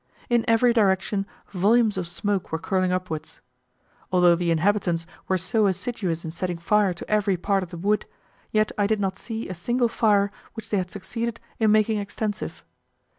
In every direction volumes of smoke were curling upwards. Although the inhabitants were so assiduous in setting fire to every part of the wood, yet I did not see a single fire which they had succeeded in making extensive.